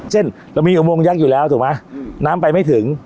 เช่นเรามีอุโมงยักษ์อยู่แล้วถูกไหมน้ำไปไม่ถึง